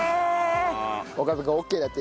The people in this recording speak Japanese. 岡部君オッケーだって。